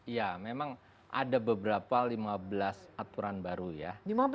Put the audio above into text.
ya memang ada beberapa lima belas aturan baru ya